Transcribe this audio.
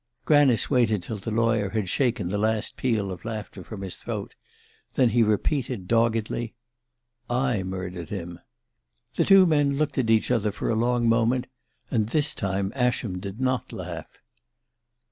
Granice waited till the lawyer had shaken the last peal of laughter from his throat; then he repeated doggedly: "I murdered him." The two men looked at each other for a long moment, and this time Ascham did not laugh.